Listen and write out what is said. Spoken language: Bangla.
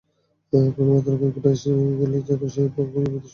এরপর মাত্র কয়েকটি টেস্ট খেলে কেন যেন সেভাবে নিয়মিত সুযোগই পেলেন না।